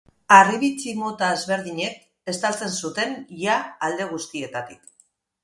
Harribitxi mota ezberdinek estaltzen zuten ia alde guztietatik.